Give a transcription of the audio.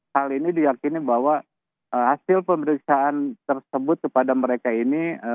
hal ini diyakini bahwa hasil pemeriksaan tersebut kepada mereka ini